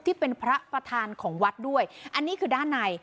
ที่เป็นพระประธานของวัดด้วยอันนี้คือด้านใน